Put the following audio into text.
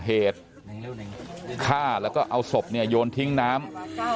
เหตุฆ่าแล้วก็เอาศพเนี่ยโยนทิ้งน้ำ